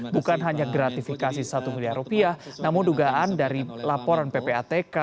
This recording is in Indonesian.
bukan hanya gratifikasi satu miliar rupiah namun dugaan dari laporan ppatk